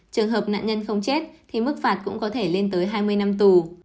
trường hợp nạn nhân không chết thì mức phạt cũng có thể lên tới hai mươi năm tù